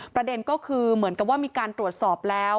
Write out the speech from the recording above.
ประเด็นก็คือเหมือนกับว่ามีการตรวจสอบแล้ว